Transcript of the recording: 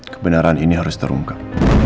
kebenaran ini harus terungkap